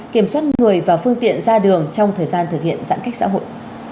kiểm soát người và phương tiện ra đường trong thời gian thực hiện giãn cách xã hội